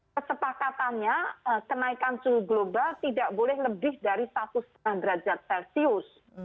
kesepakatannya kenaikan suhu global tidak boleh lebih dari satu lima derajat celcius